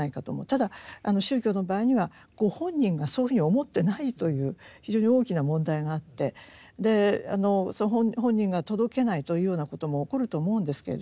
ただ宗教の場合にはご本人がそういうふうに思ってないという非常に大きな問題があってその本人が届けないというようなことも起こると思うんですけれども。